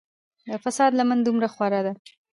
د فساد لمن دومره خوره ده.